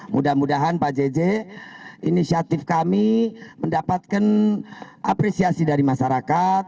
mudah mudahan pak jj inisiatif kami mendapatkan apresiasi dari masyarakat